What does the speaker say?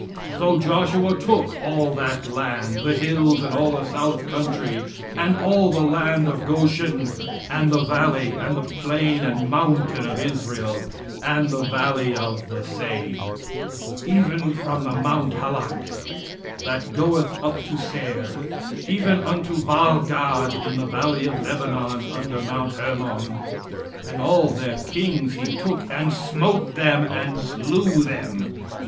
"So Joshua took all that land, the hills, and all the south country, and all the land of Goshen, and the valley, and the plain and mountain of Israel, and the valley of the same; "Even from the Mount Halak, that goeth up to Seir, even unto Baalgad in the valley of Lebanon under Mount Hermon; and all their kings he took, and smote theme and slew them.